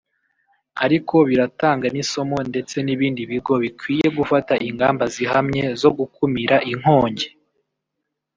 Ariko biratanga n’isomo ndetse n’ibindi bigo bikwiye gufata ingamba zihamye zo gukumira inkongi